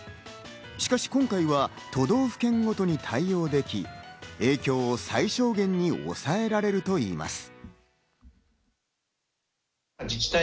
しかし、今回は都道府県ごとに対応でき、影響を最小限に抑えられるといいます。